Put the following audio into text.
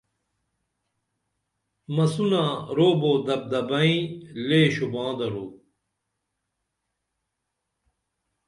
مسونہ رعب او دھب دھبئیں لے شوباں درو